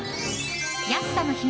安さの秘密